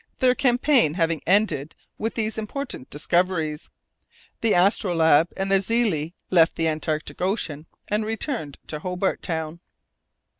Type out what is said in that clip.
Their campaign having ended with these important discoveries, the Astrolabe and the Zélée left the Antarctic Ocean and returned to Hobart Town.